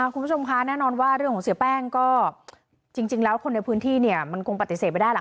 คุณผู้ชมคะแน่นอนว่าเรื่องของเสียแป้งก็จริงแล้วคนในพื้นที่เนี่ยมันคงปฏิเสธไม่ได้ล่ะ